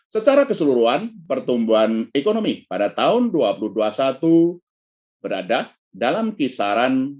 secara keseluruhan pertumbuhan ekonomi pada tahun dua ribu dua puluh satu berada dalam kisaran